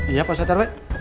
iya pak sater wek